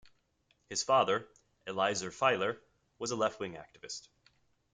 His father, Eliezer Feiler, was a left-wing activist.